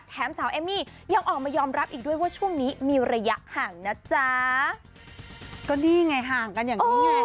แถมสาวเอมมี่ยังออกมายอมรับอีกด้วยว่าช่วงนี้มีระยะห่างนะจ๊ะก็นี่ไงห่างกันอย่างนี้ไง